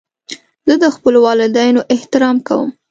زه د خپلو والدینو احترام کوم.